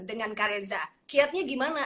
dengan kareza kiatnya gimana